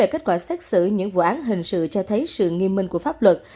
kết quả xét xử những vụ án hình sự cho thấy sự nghiêm minh của pháp luật